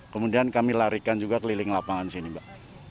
kemudian kami larikan juga keliling lapangan sini mbak